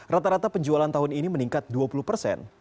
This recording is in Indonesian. rata rata penjualan tahun ini meningkat dua puluh persen